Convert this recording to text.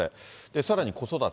さらに、子育て。